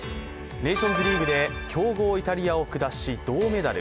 ネーションズリーグで強豪イタリアを下し銅メダル。